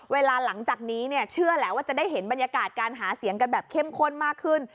หลังจากนี้เนี่ยเชื่อแหละว่าจะได้เห็นบรรยากาศการหาเสียงกันแบบเข้มข้นมากขึ้น